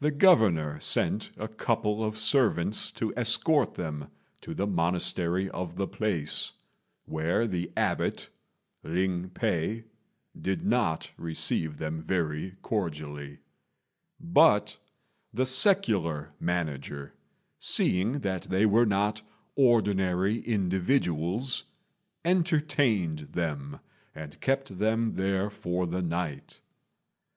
The Governor sent a couple of servants to escort them to the monastery of the place, where the abbot, Ling p'ei, did not receive them very cordially; but the secular manager, seeing that they were not ordinary individuals, entertained them and kept them there for the night.